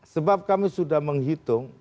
sebab kami sudah menghitung